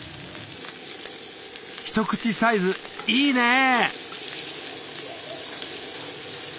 一口サイズいいね。